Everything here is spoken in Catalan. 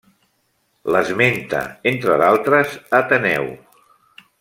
L'esmenta entre d'altres, Ateneu.